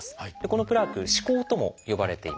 このプラーク「歯垢」とも呼ばれています。